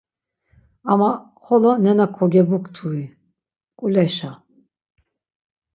Ama xolo nena kogebukturi, mǩuleşa…